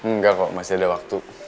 enggak kok masih ada waktu